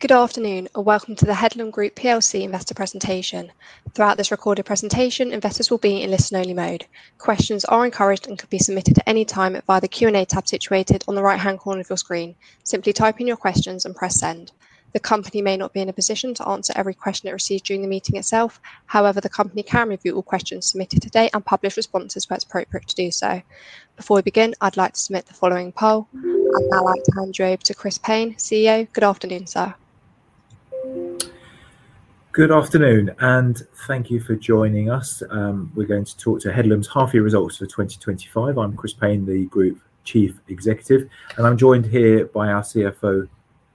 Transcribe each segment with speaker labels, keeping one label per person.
Speaker 1: Good afternoon and welcome to the Headlam Group PLC investor presentation. Throughout this recorded presentation, investors will be in listen-only mode. Questions are encouraged and can be submitted at any time via the Q&A tab situated on the right-hand corner of your screen. Simply type in your questions and press send. The company may not be in a position to answer every question it receives during the meeting itself. However, the company can review all questions submitted today and publish responses where it's appropriate to do so. Before we begin, I'd like to submit the following poll. I'd now like to hand you over to Chris Payne, CEO. Good afternoon, sir.
Speaker 2: Good afternoon and thank you for joining us. We're going to talk to Headlam Group PLC's half-year results for 2025. I'm Chris Payne, the Group Chief Executive Officer, and I'm joined here by our Chief Financial Officer,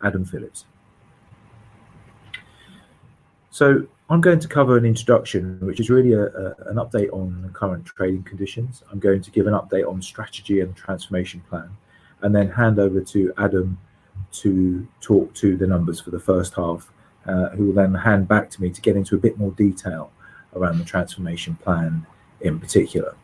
Speaker 2: Adam Phillips. I'm going to cover an introduction, which is really an update on current trading conditions. I'm going to give an update on strategy and the transformation plan, then hand over to Adam to talk to the numbers for the first half, who will then hand back to me to get into a bit more detail around the transformation plan in particular.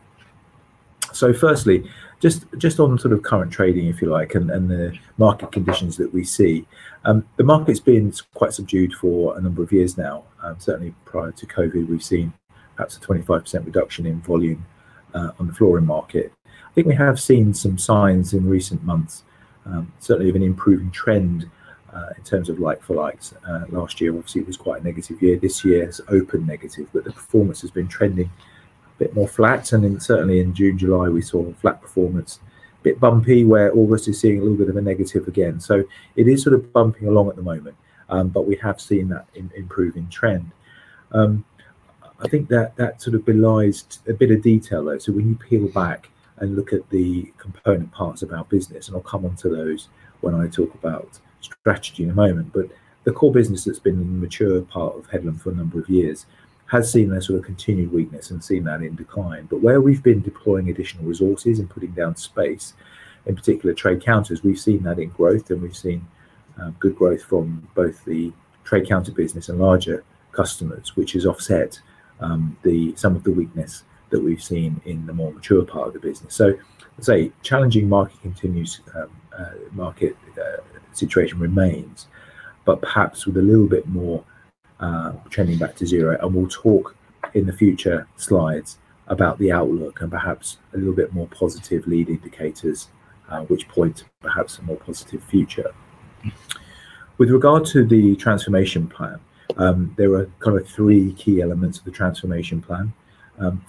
Speaker 2: Firstly, just on current trading, if you like, and the market conditions that we see, the market's been quite subdued for a number of years now. Certainly, prior to COVID, we've seen perhaps a 25% reduction in volume on the flooring market. I think we have seen some signs in recent months, certainly of an improving trend in terms of like-for-likes. Last year, obviously, it was quite a negative year. This year's open negative, but the performance has been trending a bit more flat. In June and July, we saw a flat performance, a bit bumpy, where August is seeing a little bit of a negative again. It is sort of bumping along at the moment, but we have seen that improving trend. I think that sort of belies a bit of detail, though. When you peel back and look at the component parts of our business, and I'll come onto those when I talk about strategy in a moment, the core business that's been a mature part of Headlam Group PLC for a number of years has seen a sort of continued weakness and seen that in decline. Where we've been deploying additional resources and putting down space, in particular trade counters, we've seen that in growth, and we've seen good growth from both the trade counter business and larger customers, which has offset some of the weakness that we've seen in the more mature part of the business. Challenging market continues, market situation remains, but perhaps with a little bit more trending back to zero. We will talk in the future slides about the outlook and perhaps a little bit more positive lead indicators, which point perhaps a more positive future. With regard to the transformation plan, there are kind of three key elements of the transformation plan.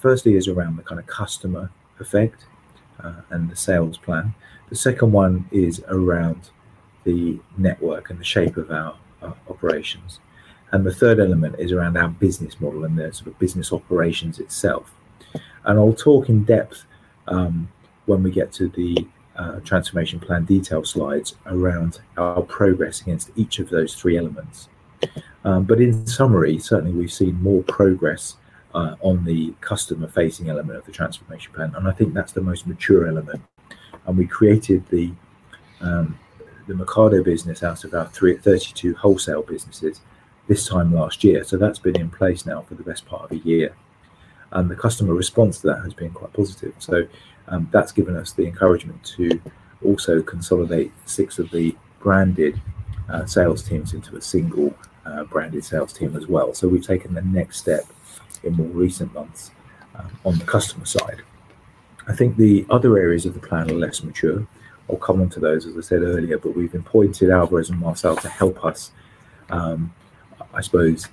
Speaker 2: Firstly is around the kind of customer effect and the sales plan. The second one is around the network and the shape of our operations. The third element is around our business model and the sort of business operations itself. I'll talk in depth when we get to the transformation plan detail slides around our progress against each of those three elements. In summary, certainly we've seen more progress on the customer-facing element of the transformation plan, and I think that's the most mature element. We created the Mercado business out of our 32 wholesale businesses this time last year. That's been in place now for the best part of a year, and the customer response to that has been quite positive. That's given us the encouragement to also consolidate six of the branded sales teams into a single branded sales team as well. We've taken the next step in more recent months on the customer side. I think the other areas of the plan are less mature. I'll come onto those, as I said earlier, but we've employed Alvarez & Marsal to help us, I suppose,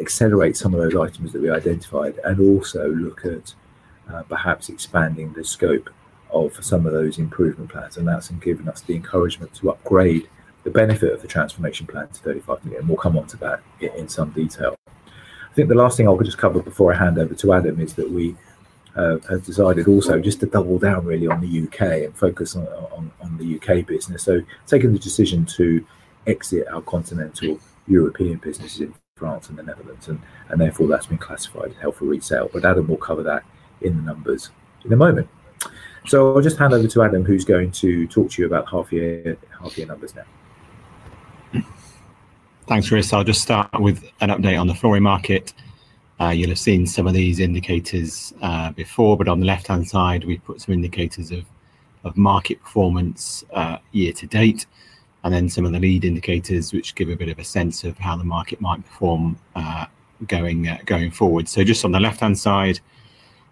Speaker 2: accelerate some of those items that we identified and also look at perhaps expanding the scope of some of those improvement plans. That's given us the encouragement to upgrade the benefit of the transformation plan to 35%. We'll come onto that in some detail. The last thing I'll just cover before I hand over to Adam is that we have decided also just to double down really on the UK and focus on the UK business. We've taken the decision to exit our continental European businesses in France and the Netherlands, and therefore that's been classified as discontinued operations. Adam will cover that in the numbers in a moment. I'll just hand over to Adam, who's going to talk to you about the half-year numbers now.
Speaker 3: Thanks, Chris. I'll just start with an update on the flooring market. You'll have seen some of these indicators before, but on the left-hand side, we've put some indicators of market performance year to date, and then some of the lead indicators, which give a bit of a sense of how the market might perform going forward. Just on the left-hand side,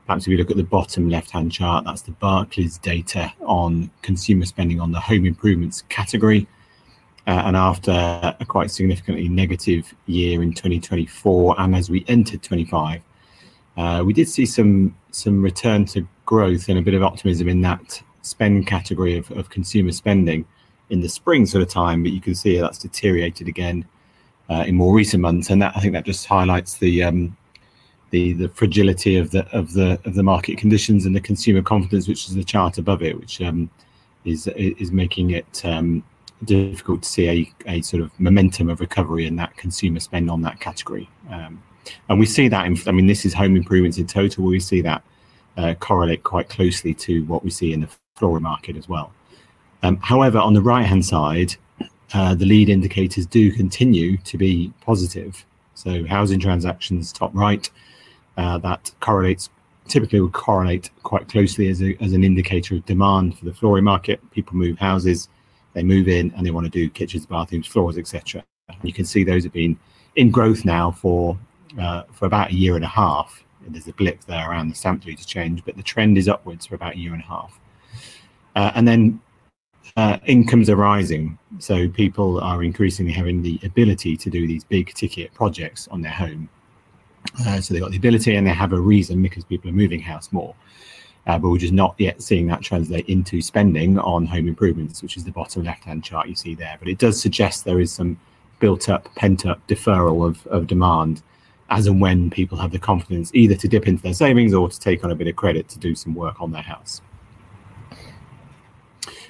Speaker 3: perhaps if you look at the bottom left-hand chart, that's the Barclays data on consumer spending on the home improvements category. After a quite significantly negative year in 2024, and as we entered 2025, we did see some return to growth and a bit of optimism in that spend category of consumer spending in the spring sort of time, but you can see that's deteriorated again in more recent months. I think that just highlights the fragility of the market conditions and the consumer confidence, which is the chart above it, which is making it difficult to see a sort of momentum of recovery in that consumer spend on that category. We see that in, I mean, this is home improvements in total. We see that correlate quite closely to what we see in the flooring market as well. However, on the right-hand side, the lead indicators do continue to be positive. Housing transactions top right, that correlates typically will correlate quite closely as an indicator of demand for the flooring market. People move houses, they move in, and they want to do kitchens, bathrooms, floors, etc. You can see those have been in growth now for about a year and a half. There's a blip there around the stamp duty change, but the trend is upwards for about a year and a half. Incomes are rising. People are increasingly having the ability to do these big ticket projects on their home. They've got the ability and they have a reason because people are moving house more. We're just not yet seeing that translate into spending on home improvements, which is the bottom left-hand chart you see there. It does suggest there is some built-up pent-up deferral of demand as and when people have the confidence either to dip into their savings or to take on a bit of credit to do some work on their house.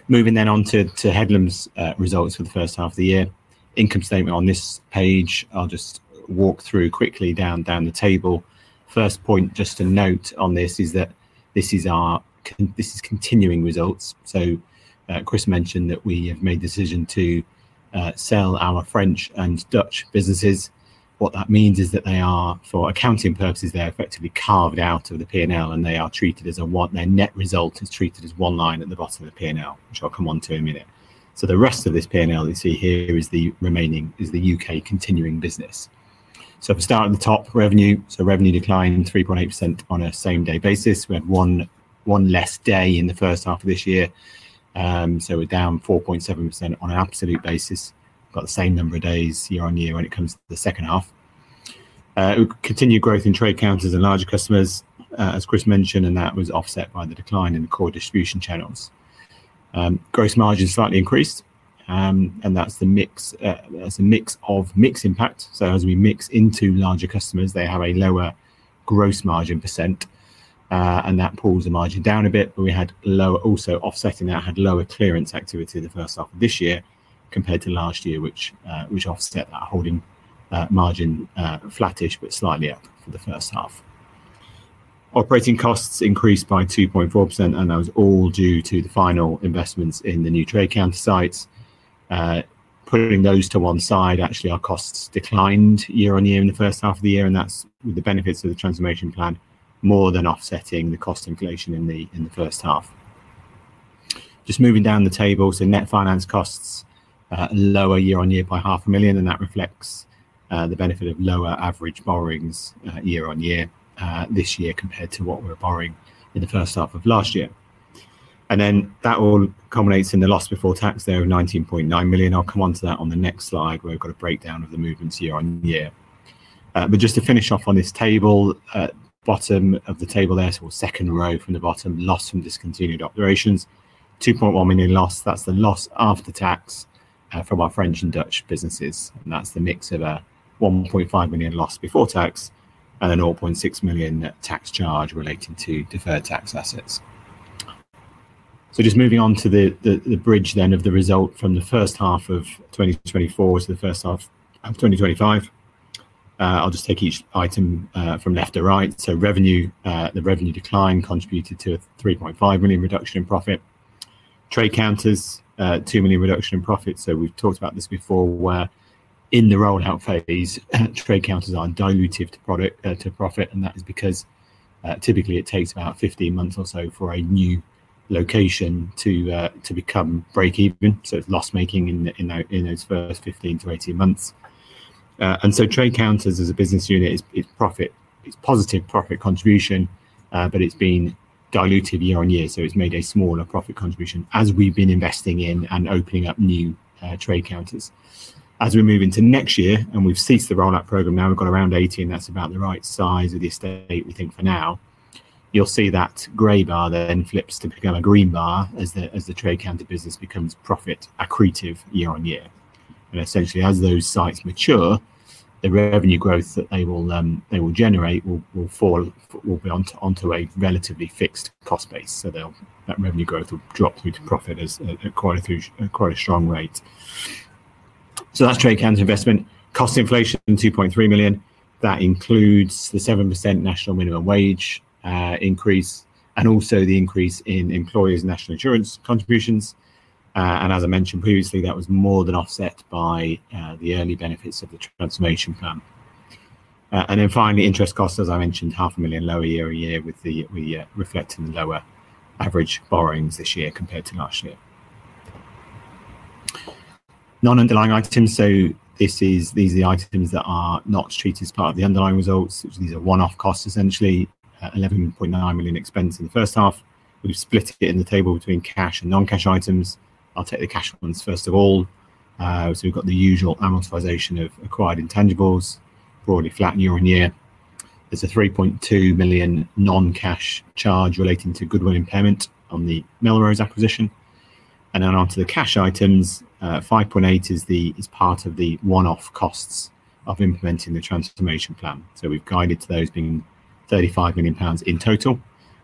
Speaker 3: Moving then on to Headlam Group PLC's results for the first half of the year, income statement on this page, I'll just walk through quickly down the table. First point just to note on this is that this is our continuing results. Chris mentioned that we have made the decision to sell our French and Dutch businesses. What that means is that they are, for accounting purposes, they're effectively carved out of the P&L and they are treated as one, their net result is treated as one line at the bottom of the P&L, which I'll come onto in a minute. The rest of this P&L you see here is the remaining, is the UK continuing business. If we start at the top revenue, revenue declined 3.8% on a same-day basis. We had one less day in the first half of this year. We're down 4.7% on an absolute basis. We've got the same number of days year on year when it comes to the second half. Continued growth in trade counters and larger customers, as Chris mentioned, was offset by the decline in the core distribution channels. Gross margins slightly increased, and that's a mix of mixed impact. As we mix into larger customers, they have a lower gross margin %, and that pulls the margin down a bit, but we had lower, also offsetting that had lower clearance activity in the first half of this year compared to last year, which offset that holding margin flattish but slightly up for the first half. Operating costs increased by 2.4%, and that was all due to the final investments in the new trade counter sites. Putting those to one side, actually our costs declined year on year in the first half of the year, and that's with the benefits of the transformation plan more than offsetting the cost inflation in the first half. Just moving down the table, net finance costs lower year on year by £0.5 million, and that reflects the benefit of lower average borrowings year on year this year compared to what we're borrowing in the first half of last year. That all culminates in the loss before tax there of £19.9 million. I'll come onto that on the next slide where we've got a breakdown of the movements year on year. Just to finish off on this table, bottom of the table there, second row from the bottom, loss from discontinued operations, £2.1 million loss, that's the loss after tax from our French and Dutch businesses. That's the mix of a £1.5 million loss before tax and a £0.6 million tax charge relating to deferred tax assets. Just moving on to the bridge then of the result from the first half of 2024 to the first half of 2025. I'll just take each item from left to right. Revenue, the revenue decline contributed to a £3.5 million reduction in profit. Trade counters, £2 million reduction in profit. We've talked about this before where in the rollout phase, trade counters are dilutive to profit, and that is because typically it takes about 15 months or so for a new location to become break-even. It's loss-making in those first 15 to 18 months. Trade counters as a business unit is positive profit contribution, but it's been diluted year on year. It's made a smaller profit contribution as we've been investing in and opening up new trade counters. As we move into next year and we've ceased the rollout program, now we've got around 80 and that's about the right size of the estate, we think for now. You'll see that gray bar then flips to become a green bar as the trade counter business becomes profit accretive year on year. Essentially, as those sites mature, the revenue growth that they will generate will be onto a relatively fixed cost base. That revenue growth will drop through to profit at quite a strong rate. That's trade counters investment. Cost inflation £2.3 million. That includes the 7% national minimum wage increase and also the increase in employers' national insurance contributions. As I mentioned previously, that was more than offset by the early benefits of the transformation plan. Finally, interest costs, as I mentioned, £0.5 million lower year on year reflecting lower average borrowings this year compared to last year. Non-underlying items, these are the items that are not treated as part of the underlying results. These are one-off costs, essentially. £11.9 million expense in the first half. We've split a bit in the table between cash and non-cash items. I'll take the cash ones first of all. We've got the usual amortization of acquired intangibles, broadly flat year on year. There's a £3.2 million non-cash charge relating to goodwill impairment on the Melrose acquisition. Onto the cash items, £5.8 million is part of the one-off costs of implementing the transformation plan. We've guided to those being £35 million in total.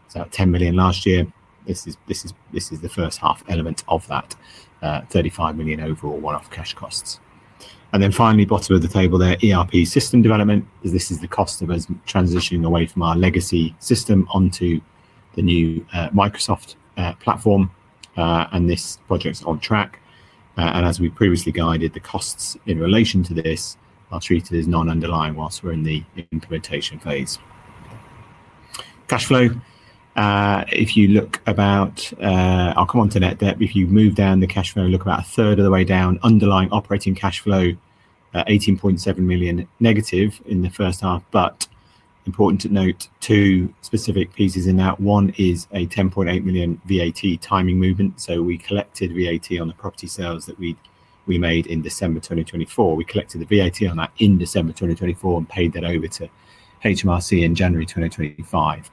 Speaker 3: It's about £10 million last year. This is the first half element of that £35 million overall one-off cash costs. Finally, bottom of the table there, ERP system development. This is the cost of us transitioning away from our legacy system onto the new Microsoft platform. This project's on track. As we previously guided, the costs in relation to this are treated as non-underlying whilst we're in the implementation phase. Cash flow, if you look about, I'll come onto net debt. If you move down the cash flow, look about a third of the way down, underlying operating cash flow, £18.7 million negative in the first half. Important to note two specific pieces in that. One is a £10.8 million VAT timing movement. We collected VAT on the property sales that we made in December 2024. We collected the VAT on that in December 2024 and paid that over to HMRC in January 2025.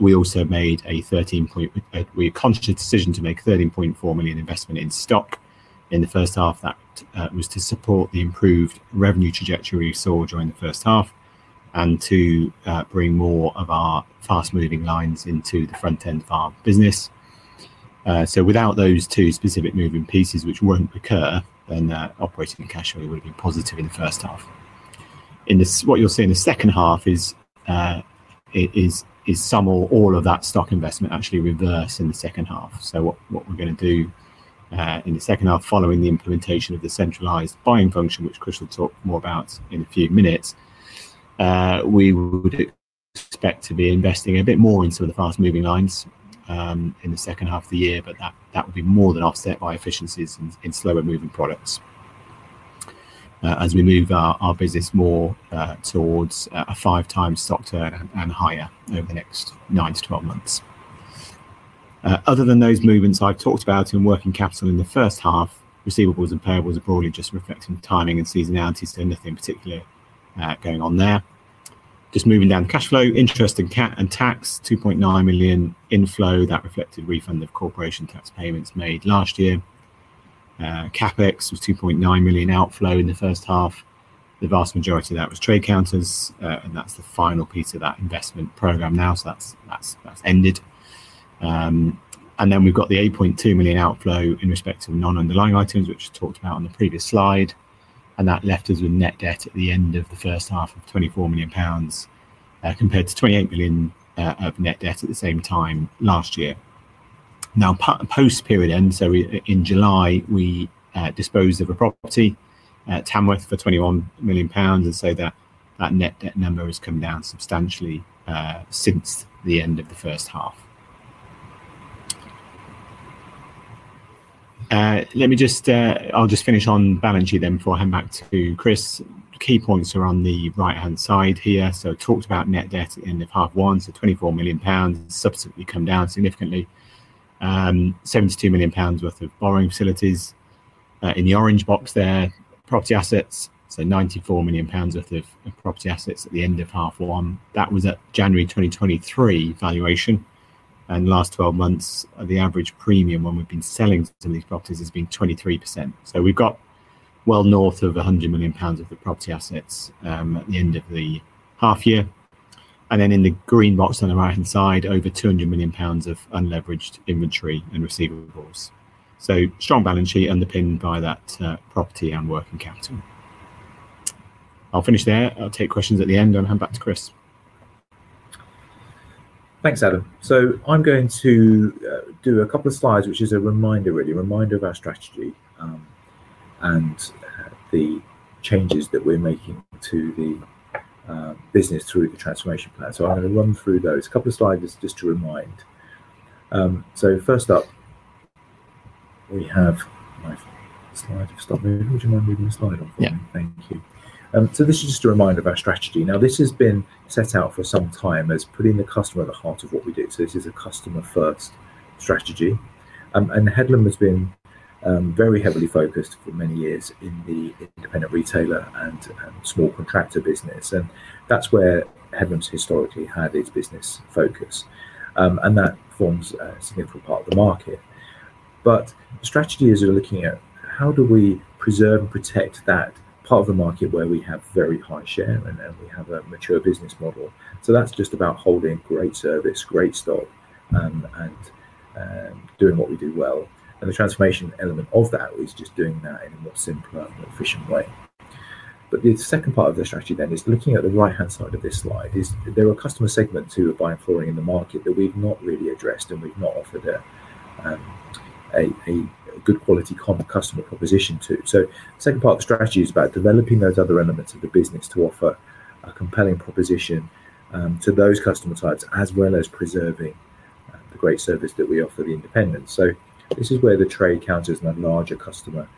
Speaker 3: We also made a £13.4 million investment in stock in the first half. That was to support the improved revenue trajectory we saw during the first half and to bring more of our fast-moving lines into the front end of our business. Without those two specific moving pieces, which won't recur, operating cash flow would have been positive in the first half. What you'll see in the second half is some or all of that stock investment actually reversed in the second half. What we're going to do in the second half following the implementation of the central buying function, which Chris will talk more about in a few minutes, we would expect to be investing a bit more in some of the fast-moving lines in the second half of the year, but that will be more than offset by efficiencies in slower moving products as we move our business more towards a five-time stock turn and higher over the next nine to twelve months. Other than those movements I've talked about in working capital in the first half, receivables and payables are broadly just reflecting the timing and seasonality. Nothing particularly going on there. Moving down cash flow, interest and tax, £2.9 million inflow that reflected refund of corporation tax payments made last year. CapEx was £2.9 million outflow in the first half. The vast majority of that was trade counters, and that's the final piece of that investment program now. That's ended. We've got the £8.2 million outflow in respect to non-underlying items, which I talked about on the previous slide. That left us with net debt at the end of the first half of £24 million compared to £28 million of net debt at the same time last year. Now, post-period end, in July, we disposed of a property at Tamworth for £21 million. That net debt number has come down substantially since the end of the first half. Let me just finish on balance sheet before I hand back to Chris. Key points are on the right-hand side here. I talked about net debt at the end of half one, so £24 million subsequently come down significantly. £72 million worth of borrowing facilities. In the orange box there, property assets, so £94 million worth of property assets at the end of half one. That was at January 2023 valuation. In the last 12 months, the average premium when we've been selling some of these properties has been 23%. We've got well north of £100 million of the property assets at the end of the half year. In the green box on the right-hand side, over £200 million of unleveraged inventory and receivables. Strong balance sheet underpinned by that property and working capital. I'll finish there. I'll take questions at the end and I'll hand back to Chris.
Speaker 2: Thanks, Adam. I'm going to do a couple of slides, which is a reminder, really a reminder of our strategy and the changes that we're making to the business through the transformation plan. I'm going to run through those. A couple of slides is just to remind. First up, we have my slide. Stop me. Would you mind leaving the slide off? Thank you. This is just a reminder of our strategy. This has been set out for some time as putting the customer at the heart of what we did. This is a customer-first strategy. Headlam has been very heavily focused for many years in the independent retailer and small contractor business. That's where Headlam's historically had its business focus. That forms a significant part of the market. The strategy is we're looking at how do we preserve and protect that part of the market where we have very high share and we have a mature business model. That's just about holding great service, great stock, and doing what we do well. The transformation element of that is just doing that in a much simpler and efficient way. The second part of the strategy then is looking at the right-hand side of this slide. There are customer segments who are buying flooring in the market that we've not really addressed and we've not offered a good quality customer proposition to. The second part of the strategy is about developing those other elements of the business to offer a compelling proposition to those customer types as well as preserving the great service that we offer the independents. This is where the trade counters and the larger customer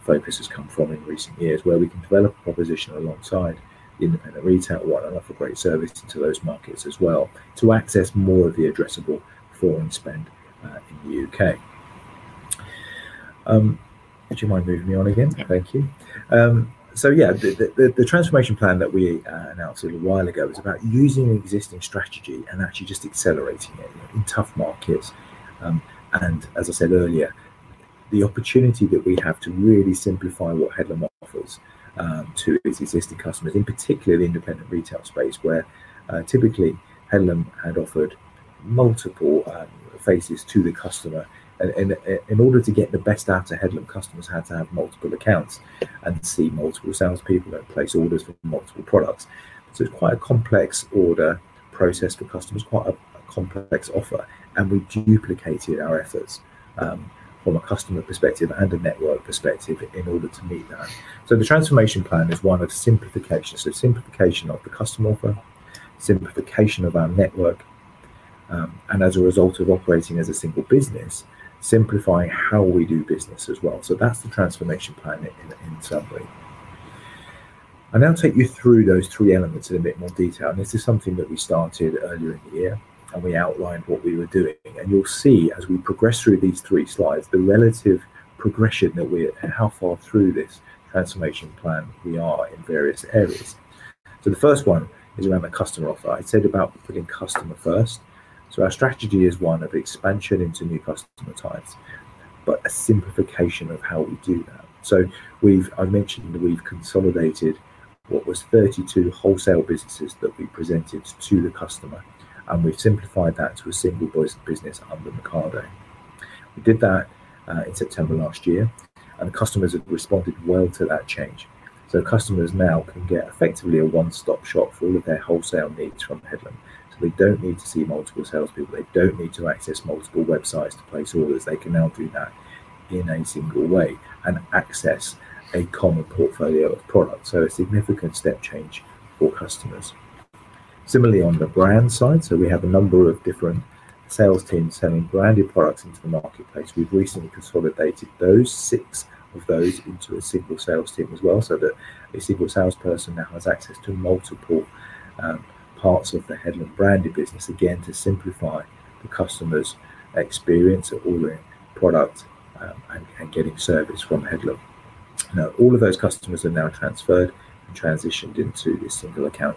Speaker 2: focus has come from in recent years where we can develop a proposition alongside the independent retail one and offer great service to those markets as well to access more of the addressable flooring spend in the UK. Would you mind moving me on again? Thank you. The transformation plan that we announced a little while ago is about using an existing strategy and actually just accelerating it in tough markets. As I said earlier, the opportunity that we have to really simplify what Headlam offers to its existing customers, in particular the independent retail space where typically Headlam had offered multiple phases to the customer. In order to get the best out of Headlam, customers had to have multiple accounts and see multiple salespeople and place orders for multiple products. It's quite a complex order process for customers, quite a complex offer. We duplicated our efforts from a customer perspective and a network perspective in order to meet that. The transformation plan is one of simplification: simplification of the customer offer, simplification of our network, and as a result of operating as a single business, simplifying how we do business as well. That's the transformation plan in summary. I'll now take you through those three elements in a bit more detail. This is something that we started earlier in the year and we outlined what we were doing. You'll see as we progress through these three slides the relative progression that we're at, how far through this transformation plan we are in various areas. The first one is around the customer offer. I said about putting customer first. Our strategy is one of expansion into new customer types, but a simplification of how we do that. I mentioned that we've consolidated what was 32 wholesale businesses that we presented to the customer, and we've simplified that to a single business under Mercado. We did that in September last year, and the customers have responded well to that change. Customers now can get effectively a one-stop shop for all of their wholesale needs from Headlam. They don't need to see multiple salespeople. They don't need to access multiple websites to place orders. They can now do that in a single way and access a common portfolio of products. A significant step change for customers. Similarly, on the brand side, we have a number of different sales teams selling branded products into the marketplace. We've recently consolidated those, six of those, into a single sales team as well so that a single salesperson now has access to multiple parts of the Headlam branded business, again, to simplify the customer's experience of all their products and getting service from Headlam. All of those customers are now transferred and transitioned into this single account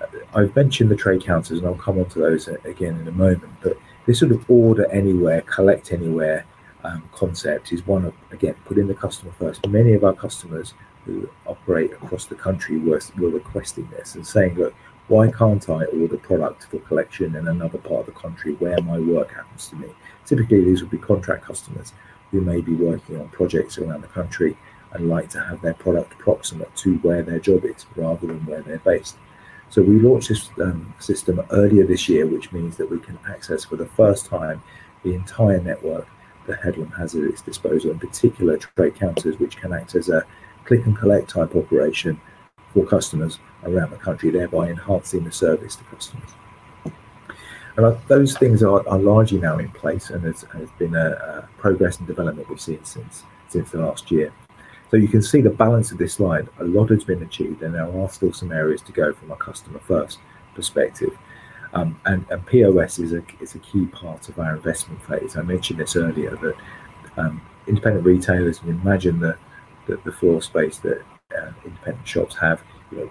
Speaker 2: approach. I've mentioned the trade counters, and I'll come onto those again in a moment. This sort of order anywhere, collect anywhere concept is one of, again, putting the customer first. Many of our customers who operate across the country were requesting this and saying, "Look, why can't I order product for collection in another part of the country where my work happens to be?" Typically, these would be contract customers who may be working on projects around the country and like to have their product approximate to where their job is rather than where they're based. We launched this system earlier this year, which means that we can access for the first time the entire network that Headlam Group PLC has at its disposal, in particular to trade counters, which can act as a click and collect type operation for customers around the country, thereby enhancing the service to customers. Those things are largely now in place, and there's been progress and development we've seen since last year. You can see the balance of this slide. A lot has been achieved, and there are still some areas to go from a customer-first perspective. POS is a key part of our investment phase. I mentioned this earlier, but independent retailers, and you imagine the floor space that independent shops have, you know,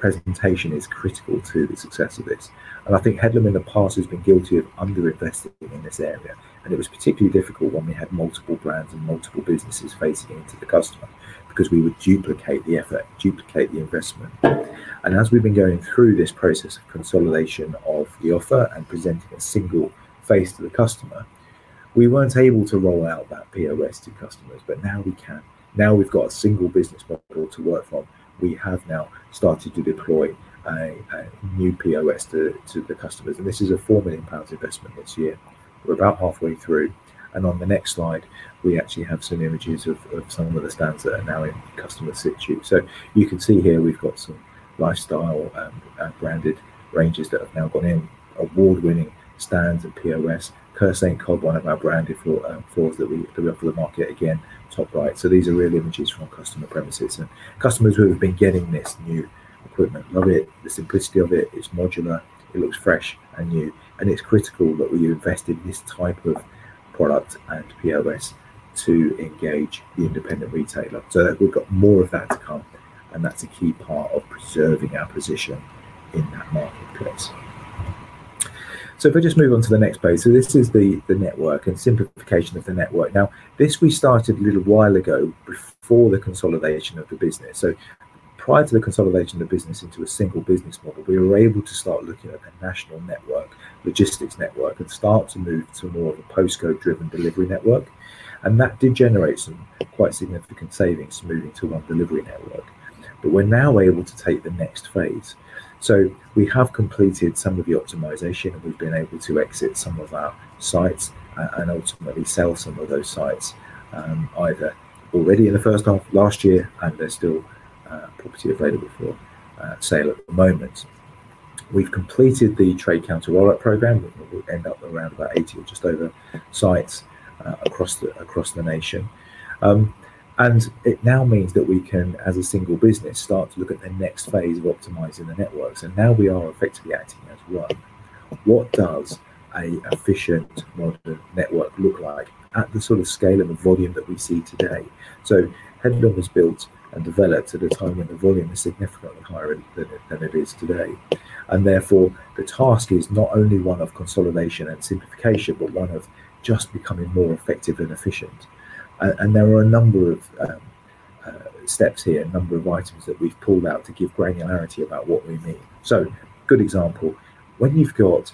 Speaker 2: product presentation is critical to the success of this. I think Headlam Group PLC in the past has been guilty of underinvesting in this area. It was particularly difficult when we had multiple brands and multiple businesses facing into the customer because we would duplicate the effort, duplicate the investment. As we've been going through this process of consolidation of the offer and presenting a single face to the customer, we weren't able to roll out that POS to customers, but now we can. Now we've got a single business model to work from. We have now started to deploy a new POS to the customers. This is a £4 million investment this year. We're about halfway through. On the next slide, we actually have some images of some of the stands that are now in customer situ. You can see here we've got some lifestyle branded ranges that have now gone in, award-winning stands and POS, Kersaint, Coldwater branded floors that we have for the market again, top right. These are real images from customer premises. Customers who have been getting this new equipment love it. The simplicity of it is modular. It looks fresh and new. It's critical that we invest in this type of product and POS to engage the independent retailer. We've got more of that to come. That's a key part of preserving our position in that marketplace. If I just move on to the next page, this is the network and simplification of the network. This was started a little while ago before the consolidation of the business. Prior to the consolidation of the business into a single business model, we were able to start looking at the national network, logistics network, and start to move to more of a postcode-driven delivery network. That did generate some quite significant savings moving to our delivery network. We're now able to take the next phase. We have completed some of the optimization, and we've been able to exit some of our sites and ultimately sell some of those sites, either already in the first half last year, and there is still property available for sale at the moment. We've completed the trade counter rollout program. We'll end up around about 80 or just over sites across the nation. It now means that we can, as a single business, start to look at the next phase of optimizing the networks. Now we are effectively acting as one. What does an efficient, modern network look like at the sort of scale and the volume that we see today? Headlam Group PLC has built and developed at a time when the volume is significantly higher than it is today. Therefore, the task is not only one of consolidation and simplification, but one of just becoming more effective and efficient. There are a number of steps here, a number of items that we've pulled out to give granularity about what we mean. A good example: when you've got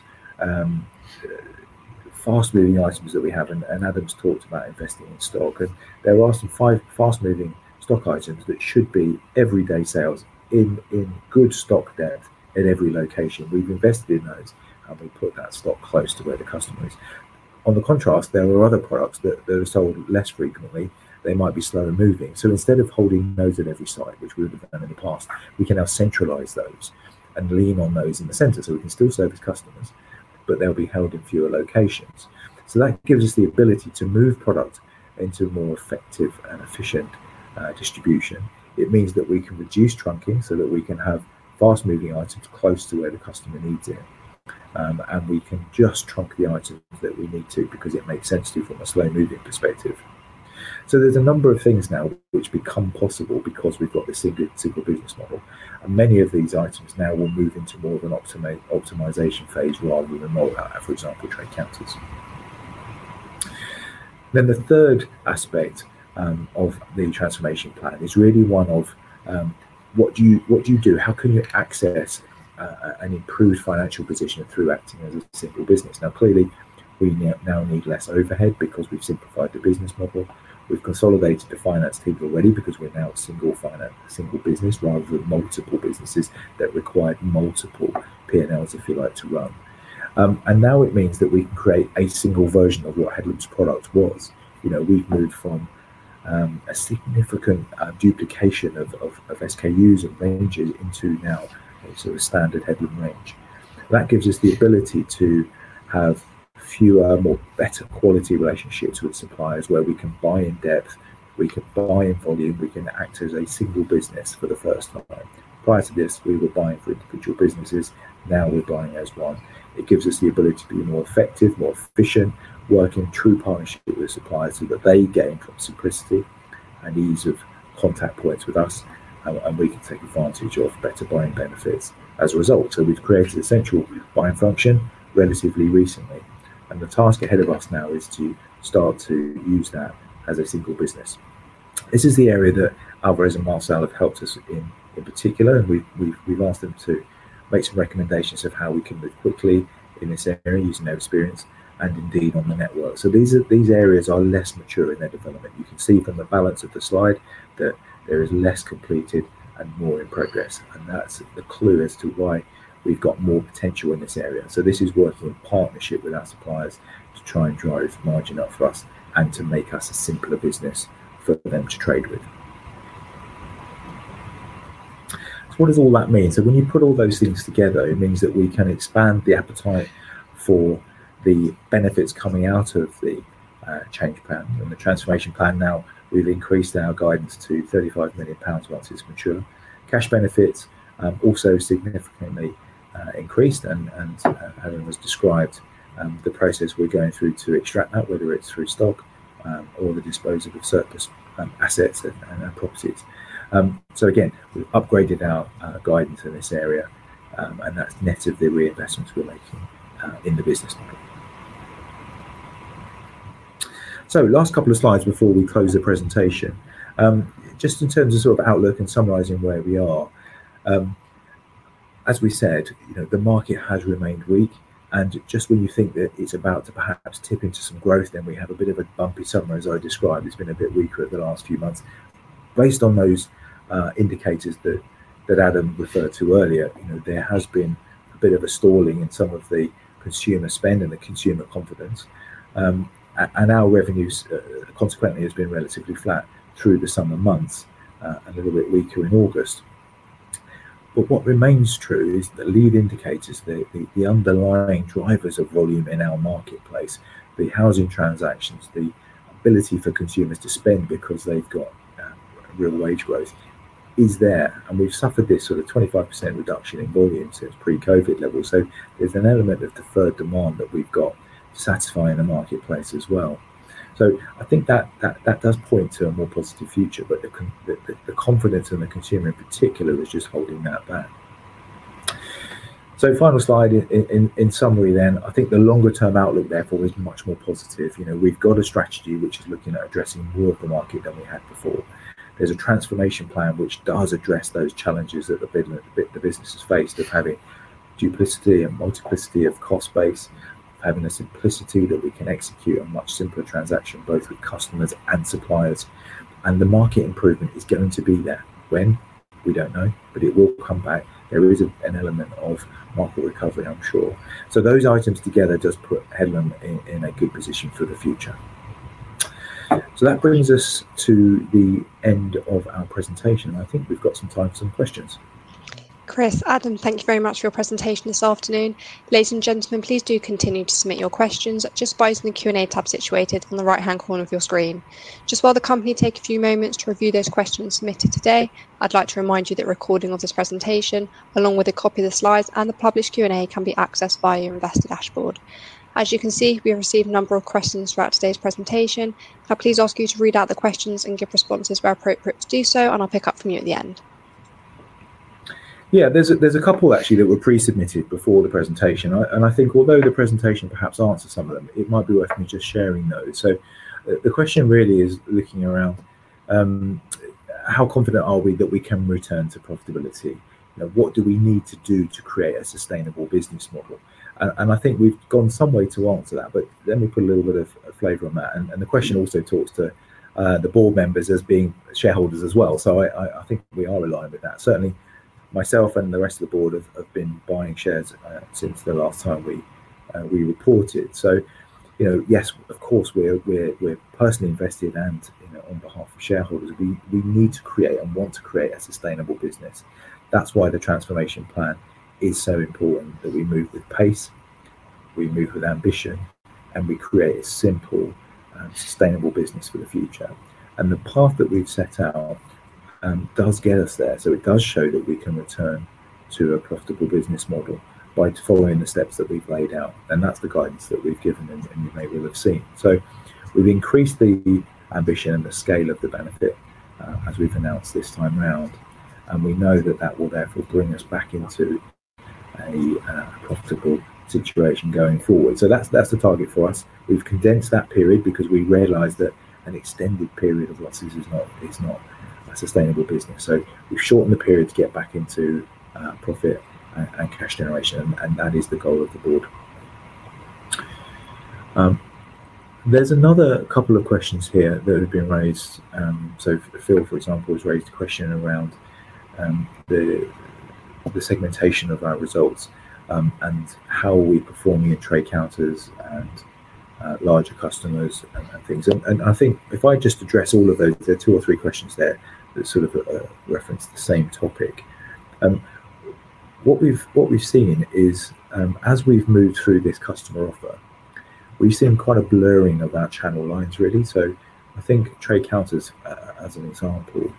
Speaker 2: fast-moving items that we have, and Adam's talked about investing in stock, there are some five fast-moving stock items that should be everyday sales in good stock debt at every location. We've invested in those and we put that stock close to where the customer is. In contrast, there are other products that are sold less frequently. They might be slow in moving. Instead of holding those at every site, which we would have done in the past, we can now centralize those and lean on those in the center. We can still service customers, but they'll be held in fewer locations. That gives us the ability to move product into a more effective and efficient distribution. It means that we can reduce trunking so that we can have fast-moving items close to where the customer needs it, and we can just trunk the items that we need to because it makes sense to you from a slow-moving perspective. There are a number of things now which become possible because we've got this single business model. Many of these items now will move into more of an optimization phase while we're moving more, for example, trade counters. The third aspect of the transformation plan is really one of, what do you do? How can you access an improved financial position through acting as a simple business? Now, clearly, we now need less overhead because we've simplified the business model. We've consolidated the finance team already because we're now a single finance, a single business rather than multiple businesses that required multiple P&Ls, if you like, to run. Now it means that we can create a single version of what Headlam's product was. We've moved from a significant duplication of SKUs and ranges into now what's a standard Headlam range. That gives us the ability to have fewer, more better quality relationships with suppliers where we can buy in depth, we can buy in volume, we can act as a single business for the first time. Prior to this, we were buying for individual businesses. Now we're buying as one. It gives us the ability to be more effective, more efficient, working through partnerships with the suppliers so that they gain simplicity and ease of contact points with us, and we can take advantage of better buying benefits as a result. We've created a central buying function relatively recently. The task ahead of us now is to start to use that as a single business. This is the area that Alvarez & Marsal have helped us in in particular, and we've asked them to make some recommendations of how we can move quickly in this area using their experience and indeed on the network. These areas are less mature in their development. You can see from the balance of the slide that there is less completed and more in progress. That's the clue as to why we've got more potential in this area. This is working in partnership with our suppliers to try and drive margin up for us and to make us a simpler business for them to trade with. What does all that mean? When you put all those things together, it means that we can expand the appetite for the benefits coming out of the change plan and the transformation plan. Now we've increased our guidance to £35 million once it's mature. Cash benefits also significantly increased, and as Adam has described, the process we're going through to extract that, whether it's through stock or the disposal of surplus assets and properties. We've upgraded our guidance in this area, and that's net of the reinvestments we're making in the business model. Last couple of slides before we close the presentation. Just in terms of outlook and summarizing where we are, as we said, you know, the market has remained weak. Just when you think that it's about to perhaps tip into some growth, we have a bit of a bumpy summer, as I described. It's been a bit weaker the last few months. Based on those indicators that Adam referred to earlier, there has been a bit of a stalling in some of the consumer spend and the consumer confidence. Our revenues consequently have been relatively flat through the summer months and a little bit weaker in August. What remains true is the lead indicators, the underlying drivers of volume in our marketplace, the housing transactions, the ability for consumers to spend because they've got real wage growth is there. We've suffered this sort of 25% reduction in volume since pre-COVID levels. There's an element of deferred demand that we've got satisfying the marketplace as well. I think that that does point to a more positive future, but the confidence in the consumer in particular is just holding that back. Final slide in summary then, I think the longer-term outlook therefore is much more positive. We've got a strategy which is looking at addressing more of the market than we had before. There's a transformation plan which does address those challenges that the business has faced of having duplicity and multiplicity of cost base, of having a simplicity that we can execute a much simpler transaction both with customers and suppliers. The market improvement is going to be there. When? We don't know, but it will come back. There is an element of market recovery, I'm sure. Those items together just put Headlam Group PLC in a good position for the future. That brings us to the end of our presentation. I think we've got some time for some questions.
Speaker 1: Chris, Adam, thank you very much for your presentation this afternoon. Ladies and gentlemen, please do continue to submit your questions just by using the Q&A tab situated on the right-hand corner of your screen. While the company takes a few moments to review those questions submitted today, I'd like to remind you that recording of this presentation, along with a copy of the slides and the published Q&A, can be accessed via your investor dashboard. As you can see, we've received a number of questions throughout today's presentation. I please ask you to read out the questions and give responses where appropriate to do so, and I'll pick up from you at the end.
Speaker 2: Yeah, there's a couple actually that were pre-submitted before the presentation. I think although the presentation perhaps answered some of them, it might be worth me just sharing those. The question really is looking around, how confident are we that we can return to profitability? What do we need to do to create a sustainable business model? I think we've gone some way to answer that, but let me put a little bit of flavor on that. The question also talks to the board members as being shareholders as well. I think we are aligned with that. Certainly, myself and the rest of the board have been buying shares since the last time we reported. Of course, we're personally invested and on behalf of shareholders. We need to create and want to create a sustainable business. That's why the transformation plan is so important that we move with pace, we move with ambition, and we create a simple and sustainable business for the future. The path that we've set out does get us there. It does show that we can return to a profitable business model by following the steps that we've laid out. That's the guidance that we've given and you may have seen. We've increased the ambition and the scale of the benefit as we've announced this time around. We know that that will therefore bring us back into a profitable situation going forward. That's the target for us. We've condensed that period because we realize that an extended period of losses is not a sustainable business. We've shortened the period to get back into profit and cash generation, and that is the goal of the board. There's another couple of questions here that have been raised. Phil, for example, has raised a question around the segmentation of our results and how are we performing at trade counters and larger customers and things. If I just address all of those two or three questions there that sort of reference the same topic, what we've seen is as we've moved through this customer offer, we've seen quite a blurring of our channel lines really. Trade counters, as an example,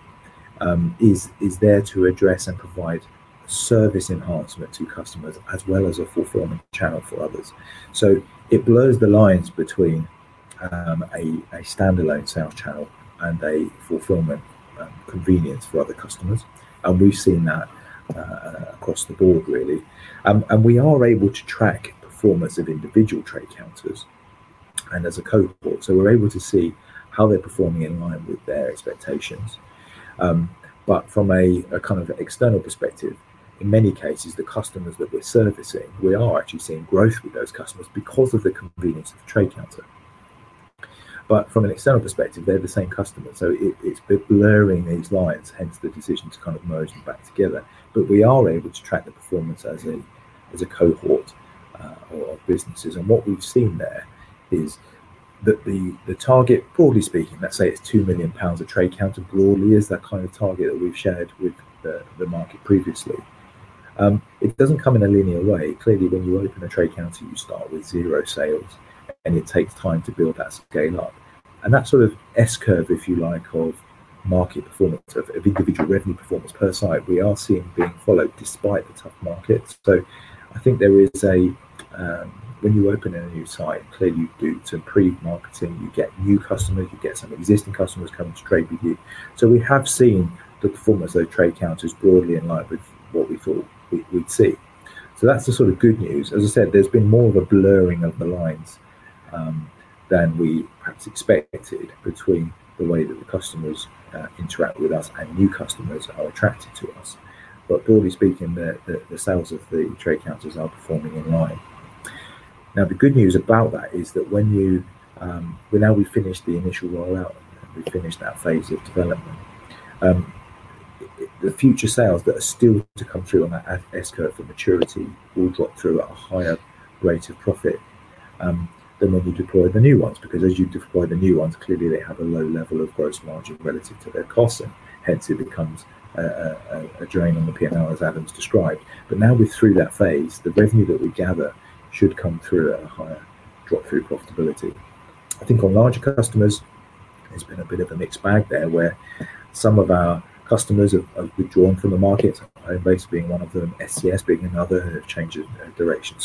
Speaker 2: is there to address and provide service enhancement to customers as well as a fulfillment channel for others. It blurs the lines between a standalone sales channel and a fulfillment convenience for other customers. We've seen that across the board really. We are able to track performance of individual trade counters and as a code report. We're able to see how they're performing in line with their expectations. From an external perspective, in many cases, the customers that we're servicing, we are actually seeing growth with those customers because of the convenience of a trade counter. From an external perspective, they're the same customer. It's a bit blurring these lines, hence the decision to merge them back together. We are able to track the performance as a cohort of businesses. What we've seen there is that the target, broadly speaking, let's say it's £2 million a trade counter, broadly is that kind of target that we've shared with the market previously. It doesn't come in a linear way. Clearly, when you open a trade counter, you start with zero sales, and it takes time to build that scale up. That sort of S-curve, if you like, of market performance, of individual revenue performance per site, we are seeing being followed despite the tough markets. I think there is a, when you open a new site, clearly you do to improve marketing, you get new customers, you get some existing customers coming to trade with you. We have seen the performance of trade counters broadly in line with what we thought we'd see. That's the sort of good news. As I said, there's been more of a blurring of the lines than we perhaps expected between the way that the customers interact with us and new customers are attracted to us. Broadly speaking, the sales of the trade counters are performing in line. The good news about that is that now we've finished the initial rollout, we've finished that phase of development. The future sales that are still to come through on that S-curve for maturity will drop through at a higher rate of profit than when we deploy the new ones. As you deploy the new ones, clearly they have a low level of gross margin relative to their cost. Hence, it becomes a drain on the P&L, as Adam's described. Now we're through that phase, the revenue that we gather should come through at a higher drop-through profitability. I think on larger customers, it's been a bit of a mixed bag there where some of our customers have withdrawn from the markets, Homebase being one of them, SCS being another who have changed direction.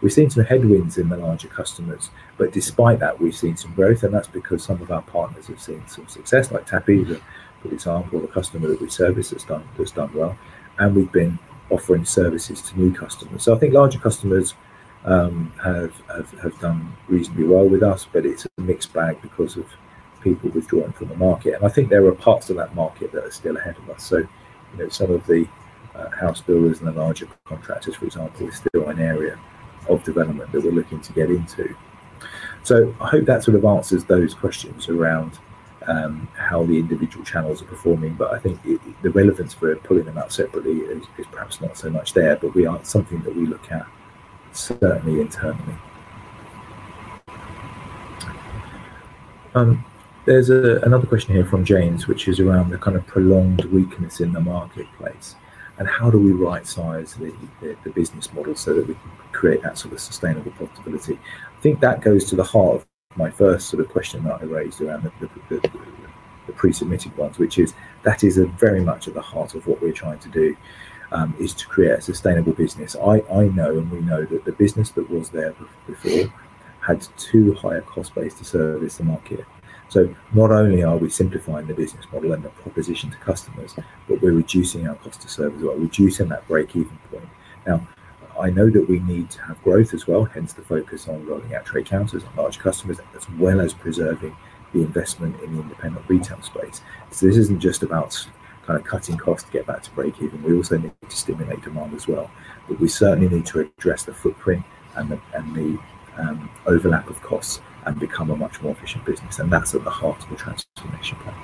Speaker 2: We've seen some headwinds in the larger customers. Despite that, we've seen some growth, and that's because some of our partners have seen some success, like Tapi, for example, a customer that we serviced that's done well. We've been offering services to new customers. I think larger customers have done reasonably well with us, but it's a mixed bag because of people withdrawing from the market. I think there are parts of that market that are still ahead of us. Some of the house builders and the larger contractors, for example, are still in an area of development that they're looking to get into. I hope that sort of answers those questions around how the individual channels are performing. I think the relevance for pulling them out separately is perhaps not so much there, but we are something that we look at certainly internally. There's another question here from James, which is around the kind of prolonged weakness in the marketplace and how do we right-size the business model so that we can create that sort of sustainable profitability. I think that goes to the heart of my first sort of question that I raised around the pre-submitted ones, which is that is very much at the heart of what we're trying to do, is to create a sustainable business. I know and we know that the business that was there before had too high a cost base to service the market. Not only are we simplifying the business model and the proposition to customers, but we're reducing our cost to serve as well, reducing that break-even point. I know that we need to have growth as well, hence the focus on rolling out trade counters on large customers, as well as preserving the investment in the independent retail space. This isn't just about kind of cutting costs to get back to break-even. We also need to stimulate demand as well. We certainly need to address the footprint and the overlap of costs and become a much more efficient business. That's at the heart of the transformation plan.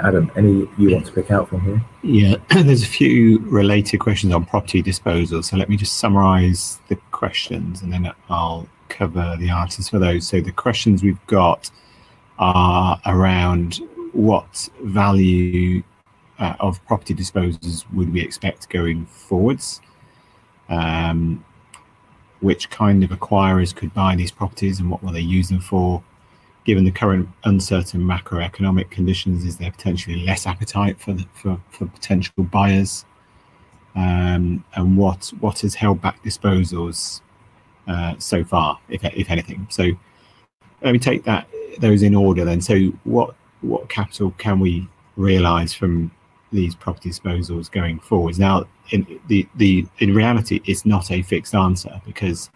Speaker 2: Adam, any you'd like to pick out from here?
Speaker 3: Yeah, there's a few related questions on property disposal. Let me just summarize the questions and then I'll cover the answers for those. The questions we've got are around what value of property disposals would we expect going forwards, which kind of acquirers could buy these properties and what will they use them for. Given the current uncertain macroeconomic conditions, is there potentially less appetite for potential buyers? What has held back disposals so far, if anything? Let me take those in order then. What capital can we realize from these property disposals going forward? In reality, it's not a fixed answer because